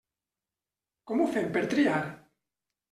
Com ho fem per triar?